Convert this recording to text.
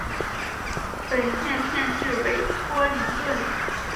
本县县治为托灵顿。